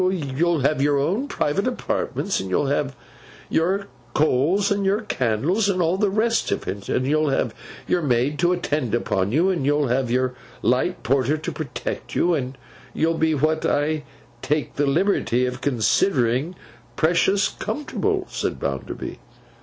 'You'll have your own private apartments, and you'll have your coals and your candles, and all the rest of it, and you'll have your maid to attend upon you, and you'll have your light porter to protect you, and you'll be what I take the liberty of considering precious comfortable,' said Bounderby.